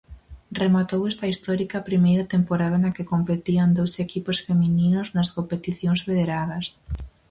Rematou esta histórica primeira temporada na que competían dous equipos femininos nas competicións federadas.